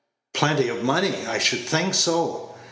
"Plenty of money! I should think so.